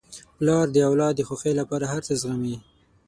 پلار د اولاد د خوښۍ لپاره هر څه زغمي.